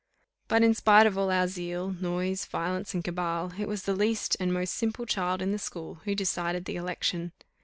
But in spite of all our zeal, noise, violence, and cabal, it was the least and the most simple child in the school who decided the election.